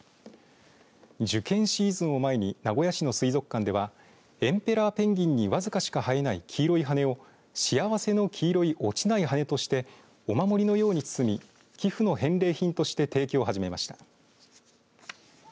受験シーズンを前に名古屋市の水族館ではエンペラーペンギンに僅かしか生えない黄色い羽根を幸せの黄色い落ちない羽根としてお守りのように包み寄付の返礼品として提供を始めました。